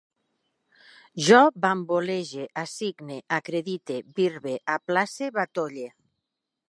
Jo bambolege, assigne, acredite, birbe, aplace, batolle